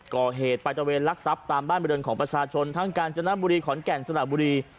ก่อเหตุไปตะเวนลักทรัพย์ตามบ้านบริเวณของประชาชนทั้งกาญจนบุรีขอนแก่นสระบุรี